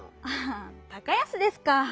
ああ高安ですか。